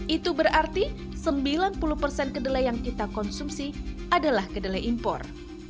itu berarti sembilan puluh persen kedelai yang kita konsumsi adalah kedelai impor